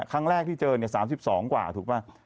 ครั้งแรกที่เจอ๓๒กว่าถูกป่ะ